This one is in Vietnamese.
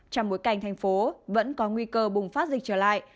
trong bối cảnh thành phố vẫn có nguy cơ bùng phát dịch trở lại